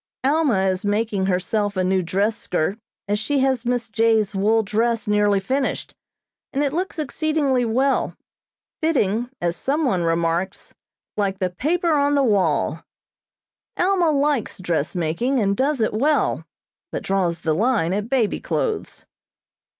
Alma is making herself a new dress skirt, as she has Miss J.'s wool dress nearly finished, and it looks exceedingly well, fitting, as some one remarks, "like the paper on the wall." Alma likes dressmaking, and does it well, but draws the line at baby clothes.